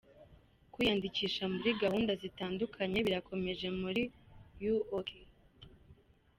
Kwiyandikisha muri gahunda zitandukanye birakomeje muri UoK.